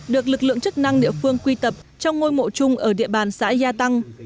được lực lượng chức năng địa phương quy tập trong ngôi mộ chung ở địa bàn xã gia tăng